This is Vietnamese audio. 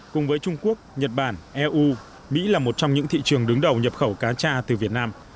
cùng với trung quốc nhật bản eu mỹ là một trong những thị trường đứng đầu nhập khẩu cá cha từ việt nam